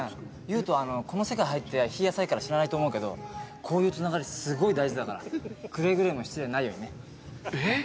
ユウトこの世界入って日浅いから知らないと思うけどこういうつながりすごい大事だからくれぐれも失礼のないようにねえっ！？